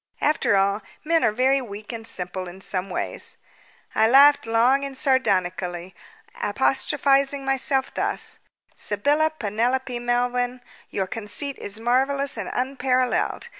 After all, men are very weak and simple in some ways. I laughed long and sardonically, apostrophizing myself thus: "Sybylla Penelope Melvyn, your conceit is marvellous and unparalleled!